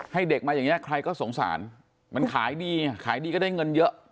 ให้เด็กมาอย่างนี้ใครก็สงสารมันขายดีขายดีก็ได้เงินเยอะ